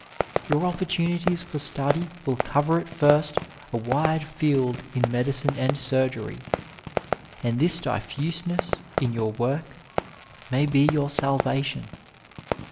Your opportunities for study will cover at first a wide field in medicine and surgery, and this difhiseness in your work may be your salvation.